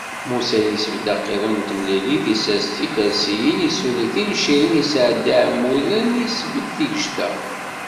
Musa yesbedd aqiḍun n temlilit, isers tikersiyin, issuli tincirin, isɛedda iɛmuden, isbedd tigejda.